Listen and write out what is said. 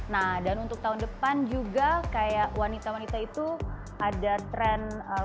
nah dan untuk tahun depan juga kayak wanita wanita itu ada trend